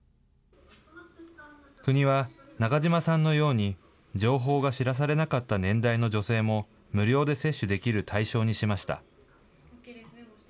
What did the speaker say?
国は中島さんのように、情報が知らされなかった年代の女性も、無料で接種できる対象にしました。